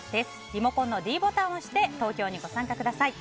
リモコンのｄボタンを押して投票にご参加ください。